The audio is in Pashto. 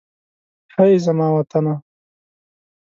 هئ! زما وطنه.